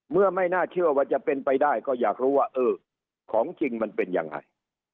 ไม่น่าเชื่อว่าจะเป็นไปได้ก็อยากรู้ว่าเออของจริงมันเป็นยังไง